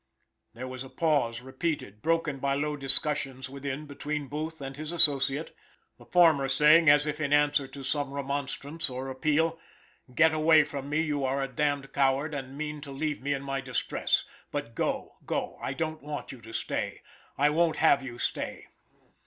There was a pause repeated, broken by low discussions within between Booth and his associate, the former saying, as if in answer to some remonstrance or appeal, "Get away from me. You are a damned coward, and mean to leave me in my distress; but go, go. I don't want you to stay. I won't have you stay."